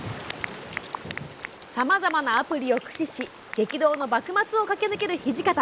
さまざまなアプリを駆使し激動の幕末を駆け抜ける土方。